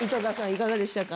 いかがでしたか？